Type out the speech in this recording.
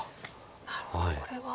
なるほどこれは。